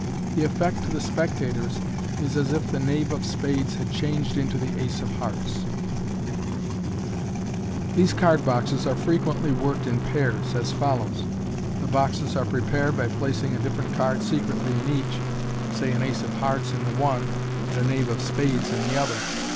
The effect to the spec tators is as if the knave of spades had changed into the ace of hearts. Fig. 50. 136 MODERN MAGIC. These card boxes are frequently worked in pairs, as follows :— The boxes are prepared by placing a different card secretly in each, say an ace of hearts in the one, and a knave of spades in the other.